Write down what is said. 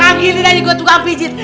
pagi ini tadi gua tukang pijit